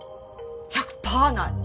１００パーない。